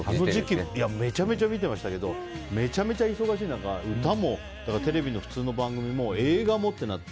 めちゃめちゃ見てましたけど歌も、テレビの普通の番組も映画もってなって。